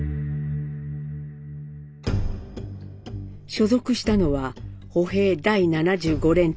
所属したのは歩兵第七十五連隊。